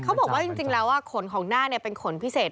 แต่เขาบอกว่าจริงแล้วว่าขนของหน้าเนี่ยเป็นขนพิเศษ